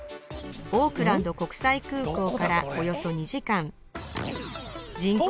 オークランド国際空港からおよそ２時間人口